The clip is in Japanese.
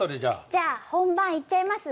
じゃあ本番いっちゃいます？